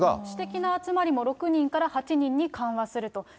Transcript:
私的な集まりも６人から８人に緩和すると。